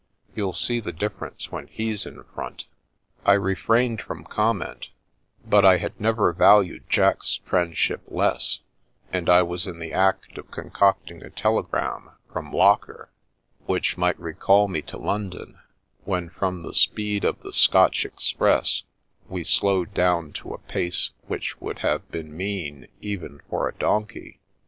You'll see the difference when he's in front." I refrained from comment, but I had never valued Jack's friendship less, and I was in the act of con cocting a telegram from Locker which might recall me to London, when from the speed of the Scotch express we slowed down to a pace which would have been mean even for a donkey.